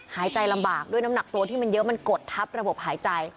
หายใจลำบากด้วยน้ำหนักตัวที่มันเยอะมันกดทับระบบหายใจ